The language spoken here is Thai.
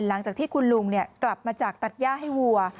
หลังจากที่คุณลุงกลับมาจากตัดย่าให้วัว